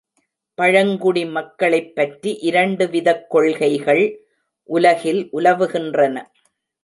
பழங்குடி மக்களைப்பற்றி இரண்டு விதக் கொள்கைகள் உலகில் உலவுகின்றன.